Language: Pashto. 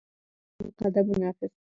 د عمومي سړک پر لور مو قدمونه اخیستل.